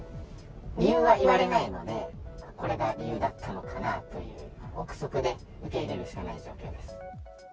理由は言われないので、これが理由だったのかなという臆測で受け入れるしかない状況です。